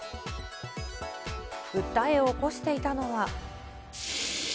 訴えを起こしていたのは。